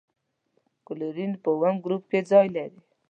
کلورین په اووم ګروپ کې ځای لري.